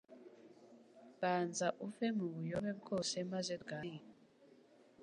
banza uve mu buyobe bwose maze tuganire